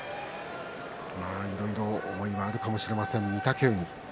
いろいろ思いはあるかもしれません、御嶽海。